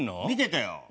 見ててよ。